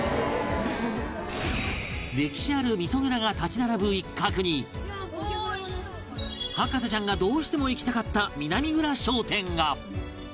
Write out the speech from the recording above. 歴史ある味蔵が立ち並ぶ一角に博士ちゃんがどうしても行きたかった南蔵商店が